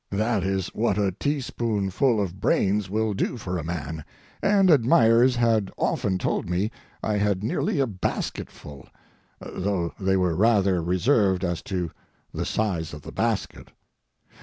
That is what a teaspoonful of brains will do for a man—and admirers had often told me I had nearly a basketful—though they were rather reserved as to the size of the basket.